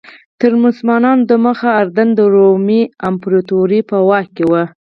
تر مسلمانانو دمخه اردن د رومي امپراتورۍ په واک کې و.